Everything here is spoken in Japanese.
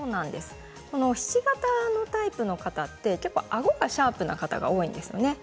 ひし形のタイプの方はあごがシャープな方が多いんです。